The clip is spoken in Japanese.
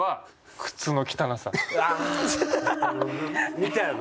見たよな。